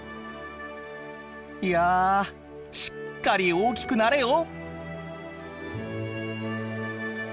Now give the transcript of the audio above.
いやしっかり大きくなれよ！